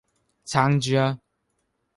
撐住呀